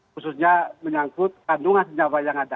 khususnya menyangkut kandungan senyawa yang ada